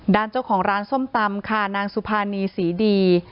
ด้านเจ้าของร้านส้มตำค่ะนางสุภานีศรีดี